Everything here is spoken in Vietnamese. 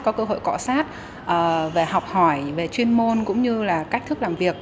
có cơ hội cọ sát về học hỏi về chuyên môn cũng như là cách thức làm việc